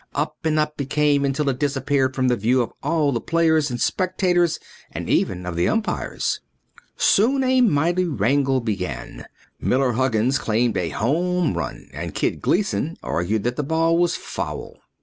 Up and up it came until it disappeared from the view of all the players and spectators and even of the umpires. Soon a mighty wrangle began. Miller Huggins claimed a home run and Kid Gleason argued that the ball was foul.